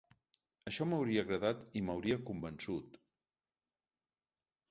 Això m’hauria agradat i m’hauria convençut.